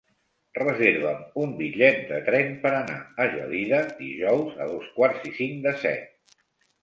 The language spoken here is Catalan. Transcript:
Reserva'm un bitllet de tren per anar a Gelida dijous a dos quarts i cinc de set.